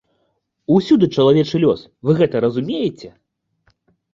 Усюды чалавечы лёс, вы гэта разумееце?